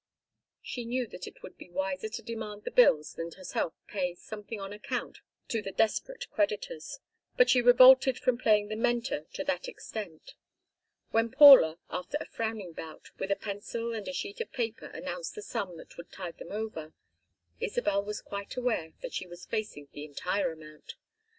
She knew that it would be wiser to demand the bills and herself pay something on account to the desperate creditors, but she revolted from playing the mentor to that extent. When Paula, after a frowning bout with a pencil and a sheet of paper, announced the sum that would tide them over, Isabel was quite aware that she was facing the entire amount.